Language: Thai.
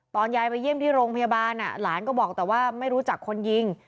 ตอนยายไปเยี่ยมที่โรงพยาบาลหลานก็บอกแต่ว่าไม่รู้จักคนยิง